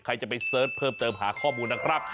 ใครจะไปเสิร์ชเพิ่มเติมหาข้อมูลนะครับ